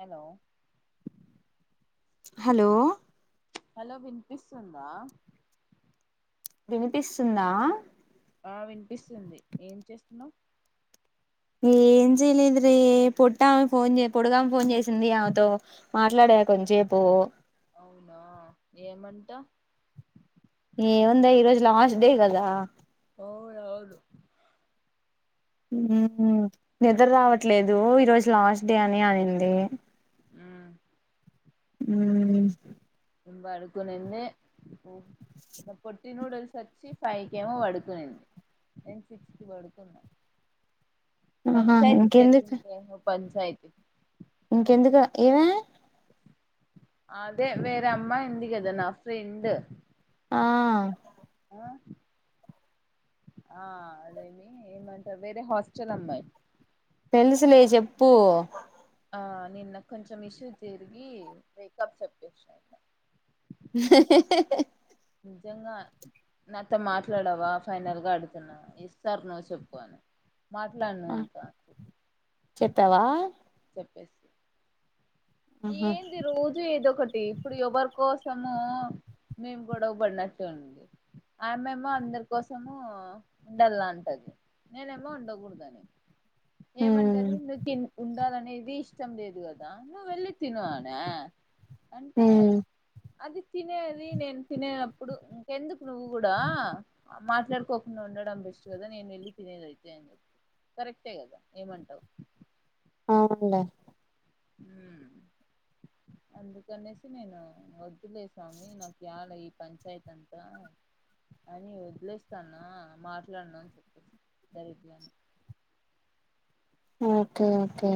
Hello hello hello వినిపిస్తుందా వినిపిస్తుందా ఆ వినిపిస్తుంది ఏం చేస్తున్నావ్ ఏం చేయలేదు రే పొట్టామె ఫోన్ చేయి పొడగామ ఫోన్ చేసింది ఆమెతో మాట్లాడే కొంచేపు అవునా ఏమంటా ఏముందే ఈ రోజు లాస్ట్ డే కదా ఎవరు ఆవులు హు హు నిద్ర రావట్లేదు ఈరోజు లాస్ట్ డే అని అనింది హు మ్ పడుకొనిందే పొట్టి నూడిల్స్ వచ్చి ఫైవ్ కి ఏమో పడుకునింది నేను సిక్స్ కి పడుకున్నా ఆహా పంచాయతీ ఇంకెందుకు జరిగింది మే పంచాయతీ ఇంకెందుకు ఏవే అదే వేరే అమ్మాయి ఉంది కదా నా ఫ్రెండ్ ఆ ఆ ఆ అదేమి ఏమంటారు వేరే హాస్టల్ అమ్మాయి తెలుసులే చెప్పు ఆ నిన్న కొంచెం ఇష్యూ తిరిగి మేక్ప్ చెక్ చేశారు అంట హ హ హ నిజంగా నాతో మాట్లాడవా ఫైనల్ గా అడుతున్నా ఎస్ ఆర్ నో నువ్వు చెప్పు అని మాట్లాడను ఇంకా చెత్తవా చెప్పేస్తి ఆహా ఏంది రోజు ఏదో ఒకటి ఇప్పుడు ఎవరి కోసమో మేము గొడవ బడినట్టు ఉంది ఆమెమో అందరి కోసము ఉండాల అంటది నేనేమో ఉండకూడదు అంట మ్మ్ ఏమంటది నీకు ఉండాలనేది ఇష్టం లేదు కదా నువ్వు వెళ్ళి తిను అనే అంటే మ్మ్ అది తినేది నేను తినేనప్పుడు ఇంకెందుకు నువ్వు కూడా మాట్లాడుకోకుండా ఉండడం బెస్ట్ కదా నేను వెళ్ళి తినేద అయితే కరెక్ట్ హే కదా ఏమంటావు ఆ అవునులే అ అందుకనేసి నేను వద్దులే స్వామి నాకు చాల ఈ పంచాయతీ అంతా అని వదిలేస్తాను మాట్లాడును అని చెప్పేసి డైరెక్ట్గనే ఓకే ఓకే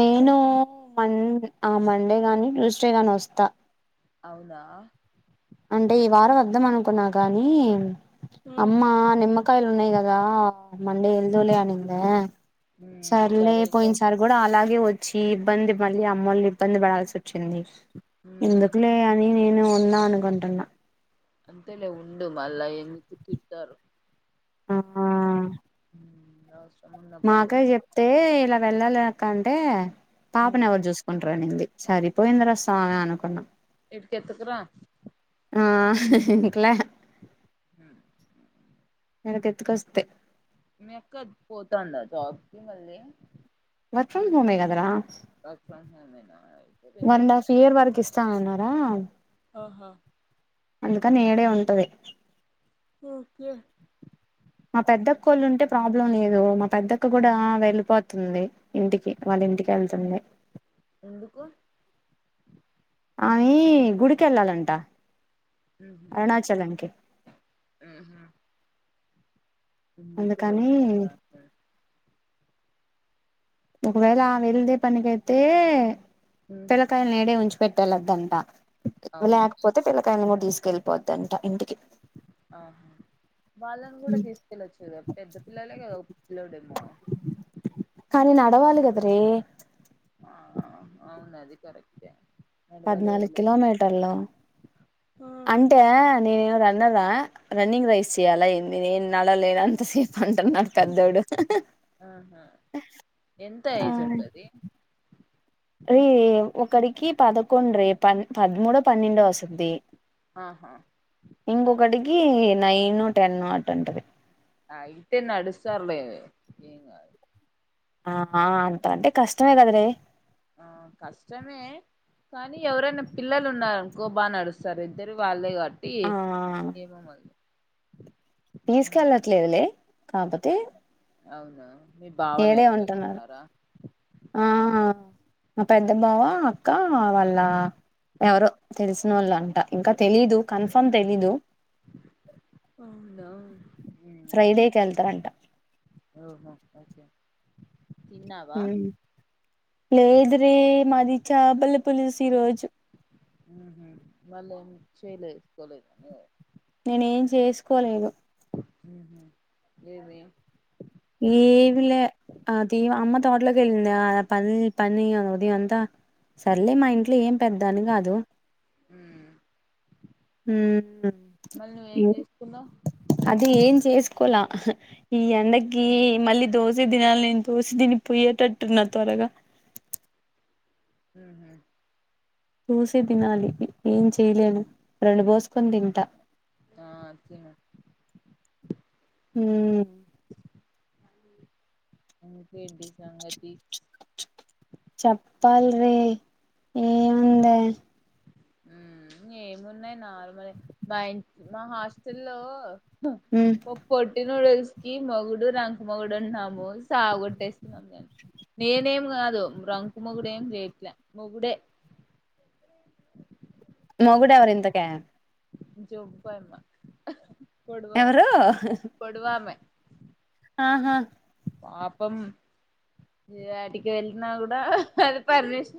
నేను మ ఆ మండే గాని ట్యూస్డే గాని వస్తా అవునా అంటే ఈ వారం వద్దం అనుకున్నా గాని అమ్మ నిమ్మ కాయలు ఉన్నాయి కదా మండే ఎల్దుోలే అనింద ఉమ్ సర్లే సరేలే పోయింది సార్ కూడా అలాగే వచ్చి ఇబ్బంది మళ్ళీ మొళ్ళు ఇబ్బంది పడాల్సి వచ్చింది ఉమ్ ఎందుకులే అని నేను ఉందాం అనుకుంటున్నా అంతెలే ఉండు మళ్లా ఎందుకు తిడుతారు ఆ మ్ మాక్క కు చెప్తే ఇలా వెళ్ళాలేక్క అంటే ఉమ్ పాపను ఎవరు చూస్ కుంటరనింది సరిపోయింది ర స్వామి అనుకున్నా ఇడికి ఎత్తుకురా ఆ కులే హ ఇడికి ఎత్తుకొస్తే మీ అక్క పోతందా జాబ్కిి మళ్ళీ వర్క్ ఫ్రమ్ హోమే కదరా వర్క్ ఫ్రమ్ ఫోమేనా అయితే వే వన్ అండ్ హాఫ్ ఇయర్ వరక్ ఇస్తానన్నారా ఆహా అందుకని ఇడే ఉంటది ఓకే మా పెద్దక్కోళ్ళు ఉంటే ప్రాబ్లం లేదు మా పెద్దక్క కూడా వెళ్ళిపోతుంది ఇంటికి వాళ్ళ ఇంటికేళ్తుంది ఎందుకు ఆయి గుడికేళ్ళాలంట ఒకే మ్ హు గుడికి అందుకని వెళ్తాదా ఒకవేళ వెళ్ళే పనికైతే మ్ కాయాల్ని ఇడే ఉంచ్చి పెట్టలదంతా అవును లేకపో త్ పిల్లకాయల్ని కూడా తీసుకెళ్ళపోతుద్ద్దంట ఇంటికి ఆహా వాళ్ళను కూడా తీస్ కెళ్ళొచ్చు కదా పెద్ద పిల్లలే కదా ఒక పిళ్ళోడేమో ఆయనను ఆడగాలి కద రే ఆ ఆ అవునా అది కరక్టే మడువ పద్నాలుగు లేదులే కిలోమీటర్లు ఆ అంటే నేను ఎదో రన్నర్ నా రన్నింగ్ రైస్ చెయ్యాలా ఏంది నేను నడవలేను అంత అంటారు మా పెద్దోడు ఆహా ఎంత ఆ ఏజ్ ఉంటది రే ఒకరికి పదకొండు రే పద్ పదమూడో పన్నెండో వస్తది ఆహా ఇంకొకటికి నైన్ టెన్ అటు ఉంటది ఆయితే నడుస్తారులే ఏం గాదు ఆ అంత అంటే కష్టమే కద వే ఆ కష్టమే కానీ ఎవరైనా పిల్లలు ఉన్నారనుకో బాగా నడుస్తారు ఇద్దరు వాళ్ళే వాల్ టి ఆ ఏమో మరి తీసుకెళ్ళట్లేదులే కాపోతే అవునా మీ బావ మీ వేరే అక్క ఉంటున్నారు వెళ్తున్నారా ఆ మా పెద్ద బావ అక్క వాళ్ళ ఎవరో తెలిసిన వాళ్ళు అంట ఇంకా తెలీదు కన్ఫర్మ్ తెలీదు [inaudible] ఫ్రైడేకి వెళ్తారంట ఓహో ఓకే తిన్నావా హ లేద్రీ మాది చాపల పులుసు ఈరోజు వాళ్ళం చేయలేసుకోలేదాని నేను ఏం చేసుకోలేదు ఉహూ లేదే ఏమ్లా ఆ తీవ అమ్మ తోట్లోకెళ్ళింద అ పని పని అ ఉదయం అంతా సరలే మా ఇంట్లో ఏం పెద్ద అని కాదు ఉమ్ [inaudible] మళ్ళ నువ్వేం చేసుకున్నావ్ అది ఏం చేసుకోలా ఈ ఎండకి మళ్ళీ దోశ తినాలి నేను దోసి తినిపోయేటట్టున్నా త్వరగా హ చూసి తినాలి ఏం చేయలేను రోన్ బోసుకొని తింటా అచ్చ [inaudible] ఉ [inaudible] ఇంగేంటి సంగతి చెప్పాల రీ ఏముంది ఉ ఏమున్నాయి నార్మలే మా మా హాస్టల్లో హ పొట్టి నూడుల్స్ కి మొగుడు రంక మొగుడు ఉంటన్నాము సావ కొట్టేస్తున్నాం న నేనేం కాదు రంకు మగుడేం చేయట్లే మొగుడే మొగుడెవరు ఇంతకి జొంపామే పొడువామే ఎవరు పొడువామే ఆహా పాపం ఇ వాటికి వెళ్ళిన కూడా అది పర్మిష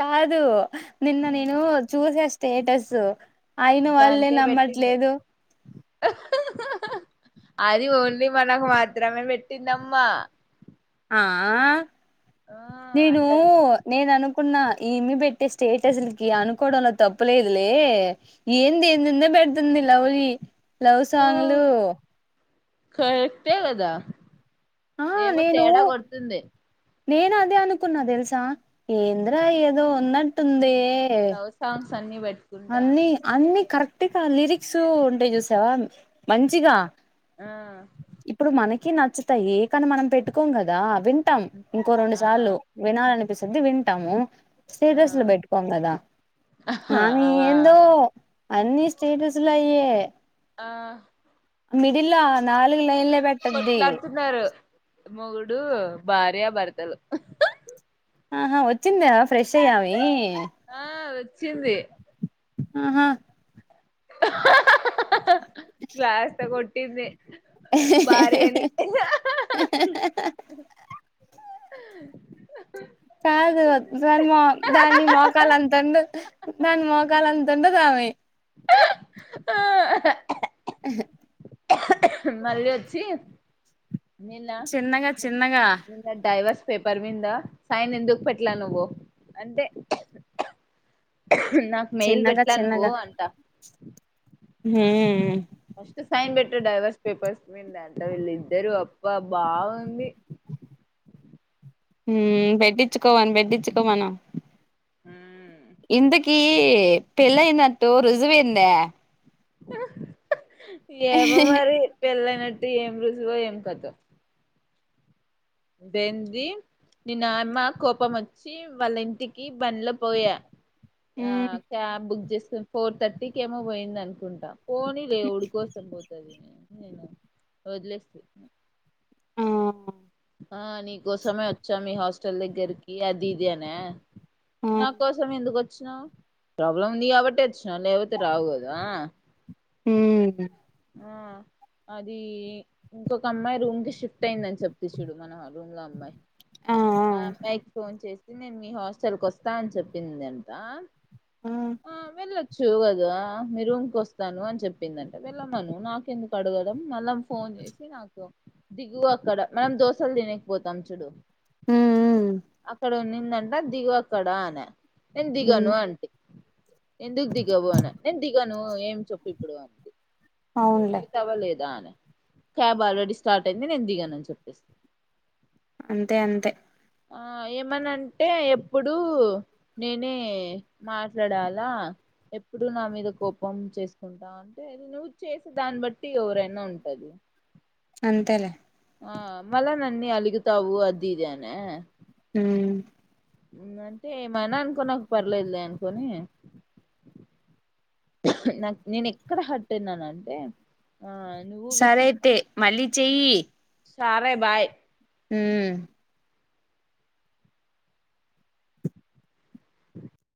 కాదు నిన్న నేను చూసేస్ స్టేటస్ అయిన వాళ్ళే దానికే పెట్టింది నమ్మట్లేదు అది ఓన్లీ మనకు మాత్రమే పెట్టిందమ్మా ఆ ఆ నేను అందరు నేను అనుకున్న ఈమి పెట్టే స్టేటస్లకి అనుకోవడంలో తప్పులేదులే ఏంది ఏందొ ఏందో పెడుతుంది లవ్ యి హా కరెక్టే కదా ఆ ఏమో నేను తేడా కొడుతుంది నేను అదే అనుకున్నా తెలుసా ఏంద్ర ఏదో ఉన్నట్టుంది లవ్ సాంగ్స్ అన్ని పెట్ట్ అన్ని అన్ని కరెక్ట్గా లిరిక్స్ ఉంటయి చూసావా మంచిగా ఆ ఇప్పుడు మనకి నచ్చతాయి కాని మనం పెట్టుకోం కదా వింటాం ఇంకో రెండు ఆ సార్లు వినాలనిపిస్తుద్ది వింటాము స్టేటస్లు ఆ పెట్టుకోం కదా అనీ ఆ ఏందో అన్ని స్టేటస్లు అయ్యే ఆ మిడిల నాలుగు లైన్ల పేట్ కొట్లాడుతున్నారు మొగుడు భార్య భర్తలు ఆహా వచ్చిందా ఫ్రెష్ య్యామి ఆ వచ్చింది ఆహా గ్లాస్ తో కొట్టింది భార్యని కాదు దరి మ దాన్ని మోకాలు అంత ఉండు దాని మోకాల అంత ఉంటది ఆమి ఆ ఆహా మళ్ళీ వోచ్చి చిన్నగా చిన్నగా నిన్న డైవర్స్ పేపర్ మీంద సైన్ ఎందుకు పెట్లా నువ్వు అంటే నాకు మేయిల్ చిన్నగా పెట్లా నువ్వు అంట హ్ ఫస్ట్ సైన్ పెట్టే డైవర్స్ పేపర్స్ మీంతా వీళ్ళుద్దరు అబ్బా బాగుంది పెట్టించుకోవని పెట్టించుకో మనం హ్ ఇంతకి పెళ్ళయినట్టు రుజువైందా ఏమో మరి పెళ్ళయినట్టు ఏం రుజువో ఏం కథో దేంది ని నామ్మ కోపం వచ్చి వాళ్ళ ఇంటికి బంలో పోయా ఆ ఉమ్ క్యాబ్ బుక్ చేసుకుని ఫోర్ థర్టీకి ఏమో పోయింది. అనుకుంటాం పోనీ లే ఉడికొస్త పోతది నేను వదిలేస్త ఆ ఆ నీకోసమే వచ్చా మీ హాస్టల్ దగ్గరకి అది ఇది అనా ఆ నా కోసం ఎందుకు వచ్చినావు ప్రాబ్లం ఉంది. కాబట్టి వచ్చినాం లేకపోతే రాదా హ్ హ్ అది ఇంకొక అమ్మాయి రూమ్ కి షిఫ్ట్ అయిందని చెప్త తీసిడు మన రూమ్లా అమ్మాయి ఆ అబ్మాయికి ఫోన్ చేసి నేను మీ హాస్టల్కి వస్త అని చెప్పింది అంట ఆ వెళ్ళొచ్చు కదా మీ రూమ్కి వస్తాను అని చెప్పిందంట వెళ్ళమను నాకెందుకు అడగడం [unintelligible] ఫోన్ చేసి నాకు దిగు అక్కడ మనం దోశలు తినేకిపోతాం చూడు ఉమ్ అక్కడ ఉన్నిందంట దిగు అక్కడ అనే నేను ఉమ్ దిగను అంటి ఎందుకు దిగవు నేను దిగను ఏం చెప్పు ఇప్పుడు అ అవునులే [unintelligible] అవ్వలేదా అని క్యాబ్ ఆల్రెడీ స్టార్ట్ అయింది నేను దిగాను అని చెప్పేస్ అంతే అంతే ఆ ఏమనంటే ఎప్పుడూ నేనే మాట్లాడాల ఎప్పుడు నా మీద కోపం చేసుకుంట అంటే అది నువ్వు చేసే దాన్ని బట్టి ఎవరైన ఉంటది అంతేలే ఆ మల్ల నన్నీ అలుగుతావు అది ఇది అన హు అంటే ఏమైన అనుకో నాకు పర్లేదులే అనుకొని నాకు నేను ఎక్కడ హట్ అయినను అంటే సరే అయితే మళ్ళీ చెయ్యి సారే బాయ్ ఉ